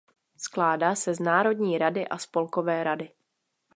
Skládá se z Národní rady a Spolkové rady.